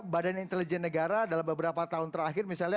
badan intelijen negara dalam beberapa tahun terakhir misalnya